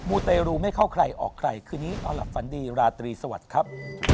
ูเตรูไม่เข้าใครออกใครคืนนี้เอาล่ะฝันดีราตรีสวัสดีครับ